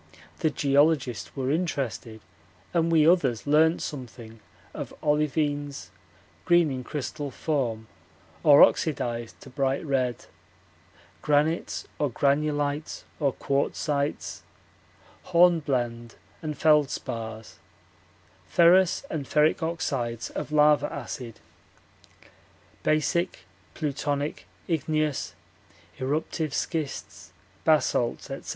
The geologists were interested, and we others learnt something of olivines, green in crystal form or oxidized to bright red, granites or granulites or quartzites, hornblende and feldspars, ferrous and ferric oxides of lava acid, basic, plutonic, igneous, eruptive schists, basalts &c.